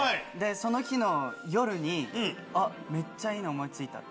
その日の夜にめっちゃいいの思い付いた！